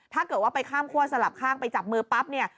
ถ้าเกิดว่าไปข้ามคั่วสลับข้างไปจับมือปั๊บเนี่ย